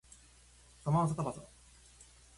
サマンサタバサ